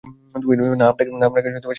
না, আপনাকে সেবা করতেও হবে না।